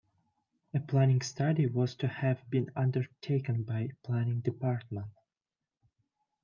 A planning study was to have been undertaken by the Planning Department.